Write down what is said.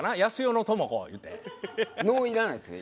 「の」いらないですね。